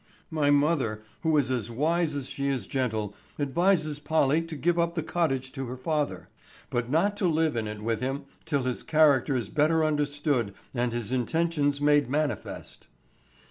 "My mother, who is as wise as she is gentle, advises Polly to give up the cottage to her father; but not to live in it with him till his character is better understood and his intentions made manifest."